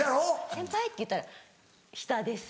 「先輩？」って言ったら「下です」。